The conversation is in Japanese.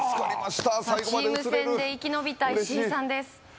チーム戦で生き延びた石井さんです